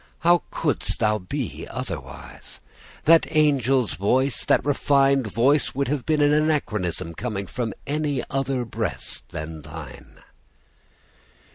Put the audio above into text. how couldst thou be otherwise? That angel's voice, that refined voice, would have been an anachronism coming from any other breast than thine.